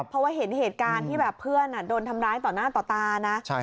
เพราะว่าเห็นเหตุการณ์ที่แบบเพื่อนโดนทำร้ายต่อหน้าต่อตานะ